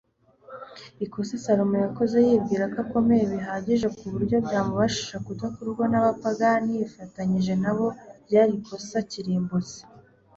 ikosa salomo yakoze yibwira ko akomeye bihagije ku buryo byamubashisha kudakururwa n'abapagani yifatanyije nabo ryari ikosa kirimbuzi